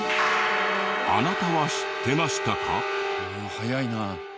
早いなあ。